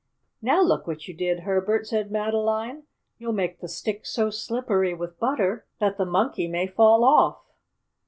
"Now look what you did, Herbert!" said Madeline. "You'll make the stick so slippery with butter that the Monkey may fall off."